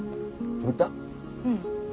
うん。